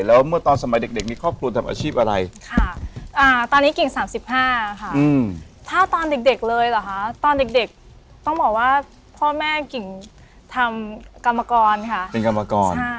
แล้วเมื่อตอนสัมไปเด็ก